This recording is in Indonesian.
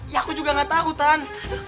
ya aku juga gak tahu kan